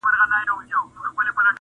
تا ته د جلاد له سره خنجره زندان څه ویل-